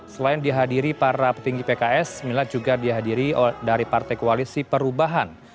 selain dihadiri para petinggi pks milad juga dihadiri dari partai koalisi perubahan